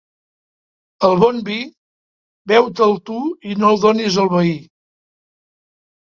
El bon vi, beu-te'l tu i no el donis al veí.